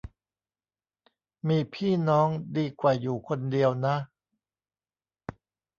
มีพี่น้องดีกว่าอยู่คนเดียวนะ